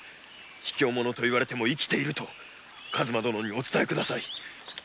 ひきょう者と言われても生きていると数馬殿にお伝え下さい。